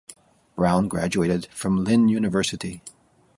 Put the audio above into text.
Brown graduated from Lynn University.